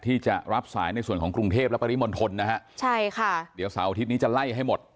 ที่จะรับสายในส่วนของกรุงเทพและปริมณฑลนะฮะใช่ค่ะเดี๋ยวเสาร์อาทิตย์นี้จะไล่ให้หมด